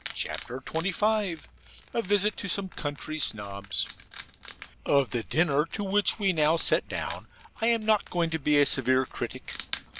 CHAPTER XXV A VISIT TO SOME COUNTRY SNOBS Of the dinner to which we now sat down, I am not going to be a severe critic.